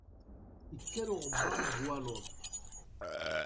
Ikker uɣebbar deg waluḍ.